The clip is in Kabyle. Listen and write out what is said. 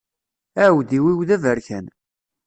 Aεudiw-iw d aberkan.